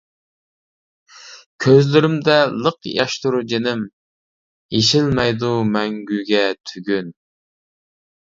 كۆزلىرىمدە لىق ياشتۇر جېنىم، يېشىلمەيدۇ مەڭگۈگە تۈگۈن.